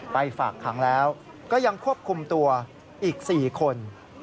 ฝากขังแล้วก็ยังควบคุมตัวอีก๔คน